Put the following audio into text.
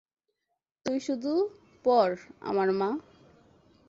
তুই শুধু পর আমার মা।